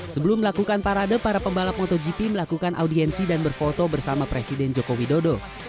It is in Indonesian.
sebelum melakukan parade para pembalap motogp melakukan audiensi dan berfoto bersama presiden joko widodo